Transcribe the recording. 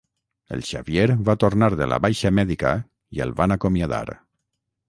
El Xavier va tornar de la baixa mèdica i el van acomiadar